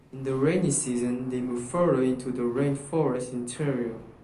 In the rainy season they move further into the rainforest interior.